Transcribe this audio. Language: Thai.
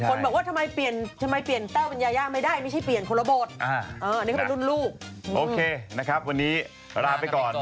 คนบอกว่าทำไมเปลี่ยนเต้าเป็นยายะไม่ได้ไม่ใช่เปลี่ยนคนละบท